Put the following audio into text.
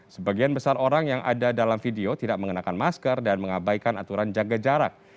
sebagian besar orang yang ada dalam video tidak mengenakan masker dan mengabaikan aturan jaga jarak